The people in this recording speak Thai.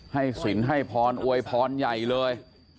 สินให้พรอวยพรใหญ่เลย